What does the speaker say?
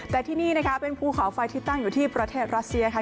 แต่ที่นี่นะคะเป็นภูเขาไฟที่ตั้งอยู่ที่ประเทศรัสเซียค่ะ